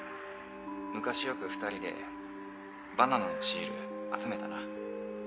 昔よく２人でバナナのシール集めたな。